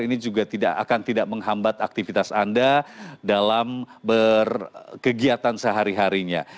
ini juga tidak akan tidak menghambat aktivitas anda dalam berkegiatan sehari harinya